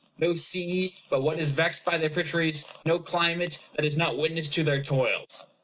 No sea but what is vexed by their fisheries; no climate that is not witness to their toils.